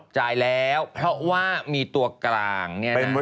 จ่ายแล้วเพราะว่ามีตัวกลาง